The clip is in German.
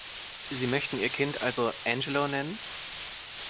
Sie möchten ihr Kind also Angelo nennen?